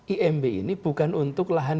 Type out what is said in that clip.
imb ini bukan untuk lahan